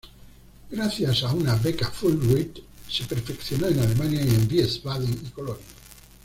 Gracias a una Beca Fulbright se perfeccionó en Alemania, en Wiesbaden y Colonia.